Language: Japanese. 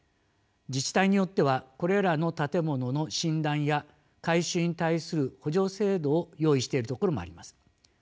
自治体によってはこれらの建物の診断や改修に対する補助制度を用意しているところもあります。